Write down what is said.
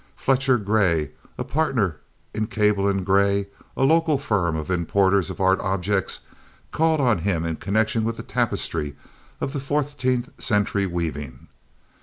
Fletcher Gray, a partner in Cable & Gray, a local firm of importers of art objects, called on him in connection with a tapestry of the fourteenth century weaving.